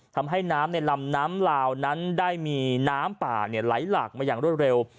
ทำให้น้ำในลำน้ำลาวนั้นได้มีน้ำป่าไหลหลากมาอย่างรวดเร็ว